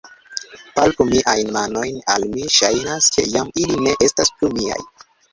Palpu miajn manojn; al mi ŝajnas, ke jam ili ne estas plu miaj.